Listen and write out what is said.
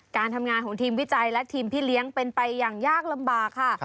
การทำงานของทีมวิจัยและทีมพี่เลี้ยงเป็นไปอย่างยากลำบากค่ะ